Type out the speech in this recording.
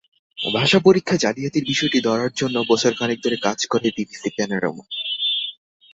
ভাষা পরীক্ষায় জালিয়াতির বিষয়টি ধরার জন্য বছর খানেক ধরে কাজ করে বিবিসি প্যানারোমা।